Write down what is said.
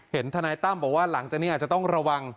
ทนายตั้มบอกว่าหลังจากนี้อาจจะต้องระวัง